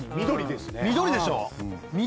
緑でしょ。